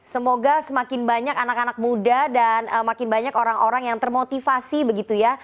semoga semakin banyak anak anak muda dan makin banyak orang orang yang termotivasi begitu ya